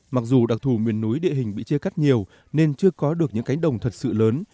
mặc dù đặc thù miền núi địa hình bị chia cắt nhiều nên chưa có được những cánh đồng thật sự lớn